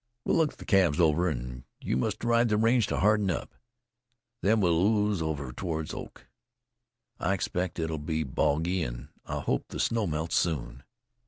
We'll look the calves over, an' you must ride the range to harden up. Then we'll ooze over toward Oak. I expect it'll be boggy, an' I hope the snow melts soon."